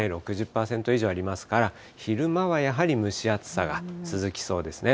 ６０％以上ありますから、昼間はやはり蒸し暑さが続きそうですね。